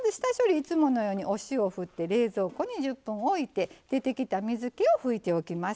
いつものようにお塩振って冷蔵庫に１０分おいて出てきた水けを拭いておきます。